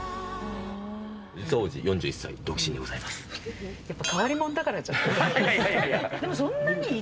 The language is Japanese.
実は王子、４１歳、独身でございやっぱ変わり者だからじゃない。